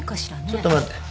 ちょっと待って。